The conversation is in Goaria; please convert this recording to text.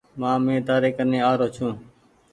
مآ مين تيآري ڪني آرو ڇون۔